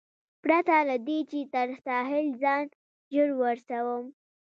پرته له دې، چې تر ساحل ځان ژر ورسوم.